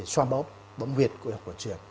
xoa bóp bấm huyệt của y học của truyền